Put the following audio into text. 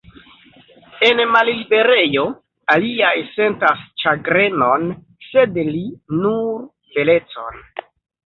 En malliberejo, aliaj sentas ĉagrenon, sed li, nur belecon.